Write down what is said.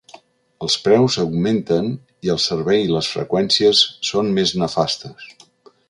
Els preus augmenten i el servei i les freqüències són més nefastes.